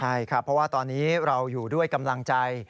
ใช่ครับเพราะว่าตอนนี้เราอยู่ด้วยกำลังใจ